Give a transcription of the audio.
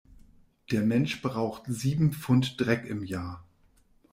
Der Mensch braucht sieben Pfund Dreck im Jahr.